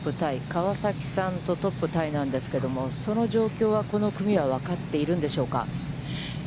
川崎さんとトップタイなんですけれども、その状況は、この組はわかっているんでしょうか？